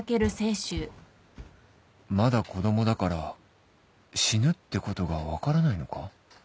まだ子供だから死ぬってことが分からないのか？